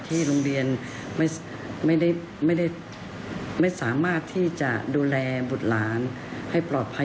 โรงเรียนไม่ได้ไม่สามารถที่จะดูแลบุตรหลานให้ปลอดภัย